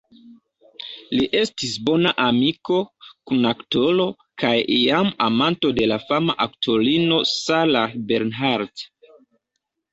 Li estis bona amiko, kun-aktoro, kaj iam amanto de la fama aktorino Sarah Bernhardt.